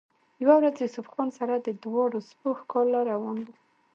يوه ورځ يوسف خان سره د دواړو سپو ښکار له روان وۀ